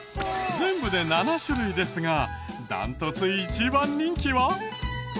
全部で７種類ですが断トツ一番人気は。